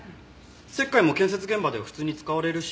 石灰も建設現場では普通に使われるし。